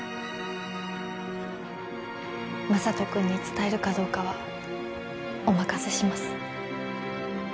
眞人君に伝えるかどうかはお任せします。